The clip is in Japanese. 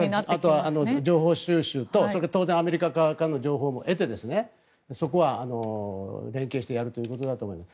あとは情報収集と当然、アメリカ側からの情報も得てそこは連携してやるということだと思います。